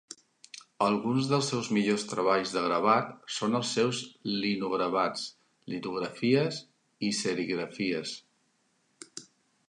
Alguns dels seus millors treballs de gravat són els seus linogravats, litografies i serigrafies.